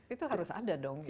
itu harus ada dong